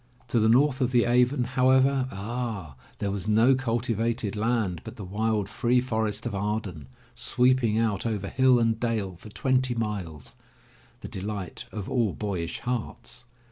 To the, north of the Avon, however — Ah! there was no cultivated land, but the wild, free forest of Arden, sweeping out over hill and dale for twenty miles, the delight of all boyish hearts.